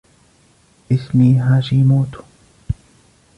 اسمي هاشيموتو.